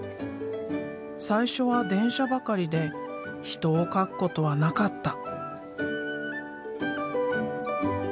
最初は電車ばかりで人を描くことはなかった。